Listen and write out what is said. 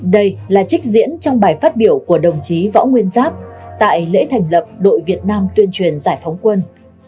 đây là trích diễn trong bài phát biểu của đồng chí võ nguyên giáp tại lễ thành lập đội việt nam tuyên truyền giải phóng quân